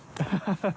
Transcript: ハハハ